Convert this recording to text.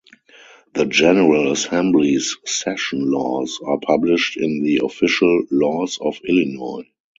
The General Assembly's session laws are published in the official "Laws of Illinois".